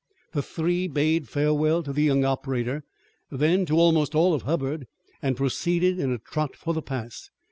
The three bade farewell to the young operator, then to almost all of Hubbard and proceeded in a trot for the pass.